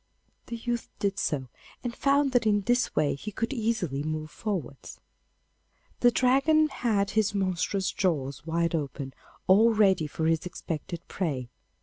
The youth did so, and found that in this way he could easily move forwards. The Dragon had his monstrous jaws wide open, all ready for his expected prey.